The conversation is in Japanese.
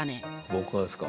僕がですか？